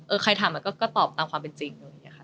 เออใครถามก็ตอบตามความเป็นจริง